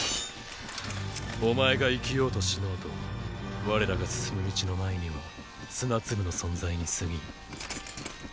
お前が生きようと死のうと我らが進む道の前には砂粒の存在にすぎん。